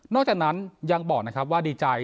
นอกจากนั้นยังบอกว่าดีใจ